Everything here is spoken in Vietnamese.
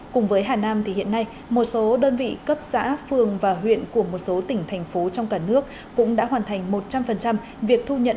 cùng với hà nam thì hiện nay một số đơn vị cấp xã phường và huyện của một số tỉnh thành phố trong cả nước cũng đã hoàn thành một trăm linh việc thu nhận